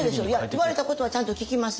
言われたことはちゃんと聞きますよ。